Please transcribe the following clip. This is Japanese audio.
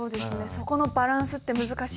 そこのバランスって難しいですよね。